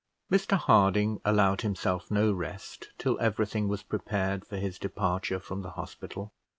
Mr Harding allowed himself no rest till everything was prepared for his departure from the hospital.